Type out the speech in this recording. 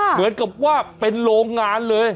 เหมือนกับว่าเป็นโรงงานเลย